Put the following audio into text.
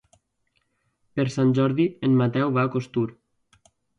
Per Sant Jordi en Mateu va a Costur.